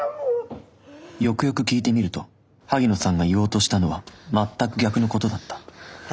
よくよく聞いてみると萩野さんが言おうとしたのは全く逆のことだったハアハア。